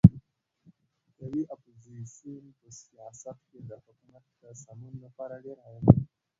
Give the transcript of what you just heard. قوي اپوزیسیون په سیاست کې د حکومت د سمون لپاره ډېر اړین دی.